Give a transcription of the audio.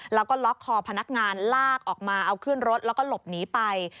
แล้วก็ล็อกคอพนักงานลากออกมาเอาขึ้นรถแล้วก็หลบหนีไป